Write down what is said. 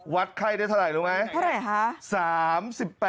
วัดไข้ได้เท่าไหร่รู้ไหม